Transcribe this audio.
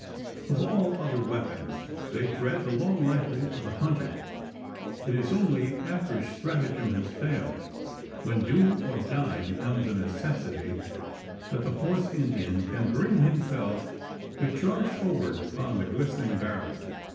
Of all other weapons, they dread the long rifle of the hunter. It is only after stratagem has failed when do or die becomes a necessity that the horse Indian can bring himself to charge forward upon the glistening barrel.